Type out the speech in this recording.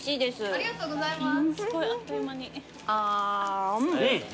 ・ありがとうございます。